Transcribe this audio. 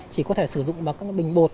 chỉ có thể sử dụng bằng các bình bột